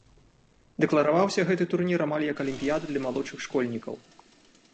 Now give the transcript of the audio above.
Дэклараваўся гэты турнір амаль як алімпіяда для малодшых школьнікаў.